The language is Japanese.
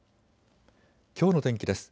きょうの天気です。